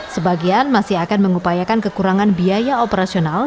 sebagian masih akan mengupayakan kekurangan biaya operasional